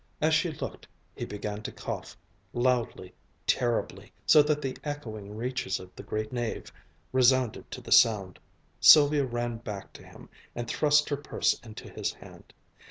As she looked, he began to cough, loudly, terribly, so that the echoing reaches of the great nave resounded to the sound. Sylvia ran back to him and thrust her purse into his hand.